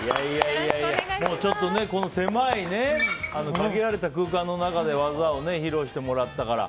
狭い限られた空間の中で技を披露してもらったから。